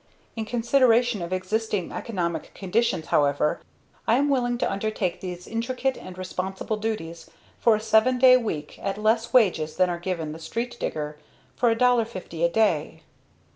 "In consideration of existing economic conditions, however, I am willing to undertake these intricate and responsible duties for a seven day week at less wages than are given the street digger, for $1.50 a day."